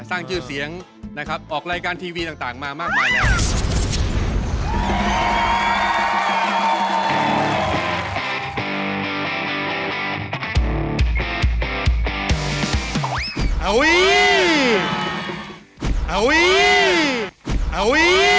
สร้างชื่อเสียงนะครับออกรายการทีวีต่างมามากมายแล้ว